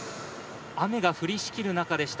雨が降りしきる中でした。